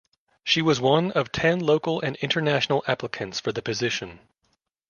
She was one of ten local and international applicants for the position.